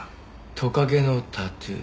トカゲのタトゥー。